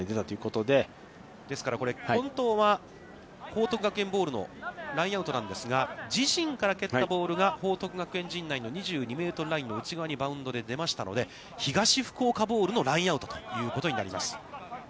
ですから本当は報徳学園ボールのラインアウトなんですが、自陣から蹴ったボールが報徳学園陣内の２２ｍラインの内側にバウンドで出ましたので、東福岡ボールのラインアウトということになります。